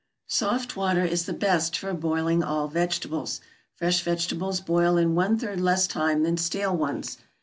Soft water is the best for boiling all vegetables. Fresh vegetables boil in one third less time than stale ones.